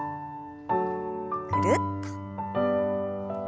ぐるっと。